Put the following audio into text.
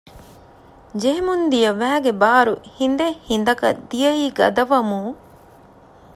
ޖެހެމުންދިޔަ ވައިގެ ބާރު ހިނދެއް ހިނދަކަށް ދިޔައީ ގަދަވަމުން